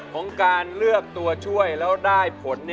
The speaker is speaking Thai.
ของการเลือกตัวช่วยแล้วได้ผล